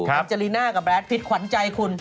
แอร์จารีน่ากับแบลตฟิชขวัญใจคุณ